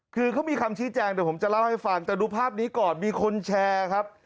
คือเขามีคำชี้แจงเดี๋ยวผมจะเล่าให้ฟังแต่ดูภาพนี้ก่อนมีคนแชร์ครับ